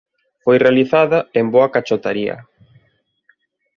Foi realizada en boa cachotaría.